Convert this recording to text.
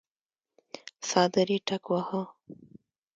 څادر يې ټکواهه.